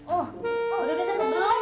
oh udah udah seneng banget